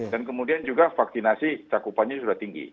dan kemudian juga vaksinasi cakupannya sudah tinggi